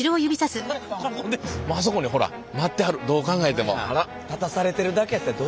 もうあそこにほら待ってはるどう考えても。